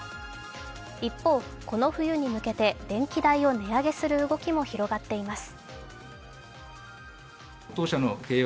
一方、この冬に向けて電気代を値上げする動きも広がっています。